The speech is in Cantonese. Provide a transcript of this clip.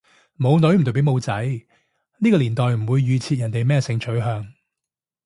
冇女唔代表冇仔，呢個年代唔會預設人哋咩性取向